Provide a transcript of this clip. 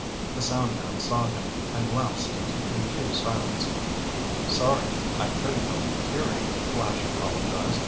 The soundman saw him and lapsed into confused silence. "Sorry. I couldn't help hearing," Flash apologized.